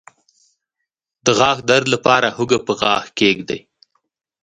د غاښ درد لپاره هوږه په غاښ کیږدئ